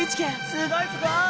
すごいすごい！